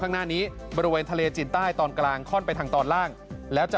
ข้างหน้านี้บริเวณทะเลจีนใต้ตอนกลางค่อนไปทางตอนล่างแล้วจะ